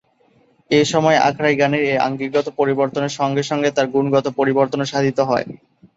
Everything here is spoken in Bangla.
এ সময় আখড়াই গানের এ আঙ্গিকগত পরিবর্তনের সঙ্গে সঙ্গে তার গুণগত পরিবর্তনও সাধিত হয়।